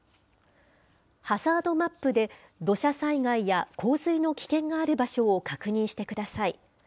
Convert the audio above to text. ハザードマップで土砂災害や洪水の危険がある場所を確認してください。